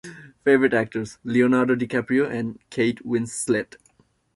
Favourite actors: Leonardo DiCaprio and Kate Winslet.